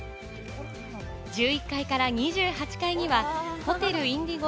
１１階から２８階にはホテルインディゴ